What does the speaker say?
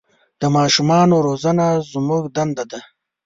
د ماشومان روزنه زموږ دنده ده.